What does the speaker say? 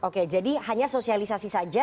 oke jadi hanya sosialisasi saja